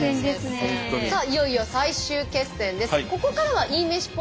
さあいよいよ最終決戦です。